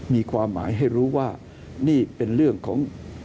มีความหมายให้รู้ว่านี่เป็นเรื่องของ